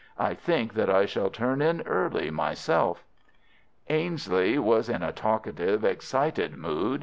I think that I shall turn in early myself." Ainslie was in a talkative, excited mood.